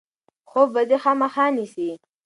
خوب به دی خامخا نیسي.